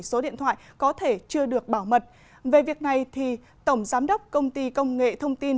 số điện thoại có thể chưa được bảo mật về việc này tổng giám đốc công ty công nghệ thông tin